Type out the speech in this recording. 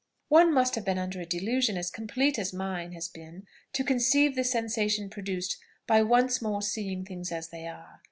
"One must have been under a delusion as complete as mine has been, to conceive the sensation produced by once more seeing things as they are.